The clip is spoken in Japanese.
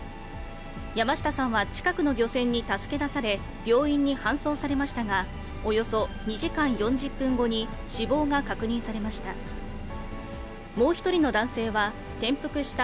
山下さんは近くの漁船に助け出され、病院に搬送されましたが、およそ２時間４０分後に死亡が確認されました。